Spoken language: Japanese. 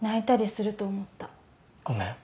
ごめん。